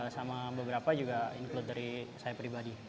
sama beberapa juga include dari saya pribadi